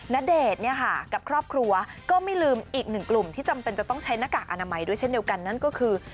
ณเดชน์เนี่ยค่ะกับครอบครัวก็ไม่ลืมอีกหนึ่งกลุ่มที่จำเป็นจะต้องใช้หน้ากากอนามัยด้วยเช่นเดียวกันนั่นก็คือ